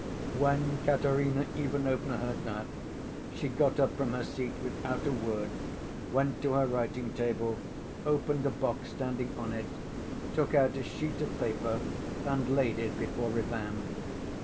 When Katerina Ivanovna heard that, she got up from her seat without a word, went to her writing‐table, opened a box standing on it, took out a sheet of paper and laid it before Ivan.